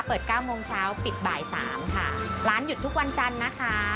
เก้าโมงเช้าปิดบ่ายสามค่ะร้านหยุดทุกวันจันทร์นะคะ